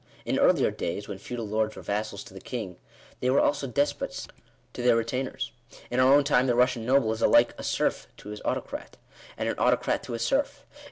In earlier days, when feudal lords were vassals to the king, they were also despots to their retainers. In our own time, the Russian noble is alike a serf to his autocrat, and an autocrat to his serf.